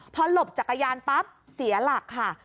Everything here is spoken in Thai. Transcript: พอหลบจักรยานปั๊บเสียหลักค่ะ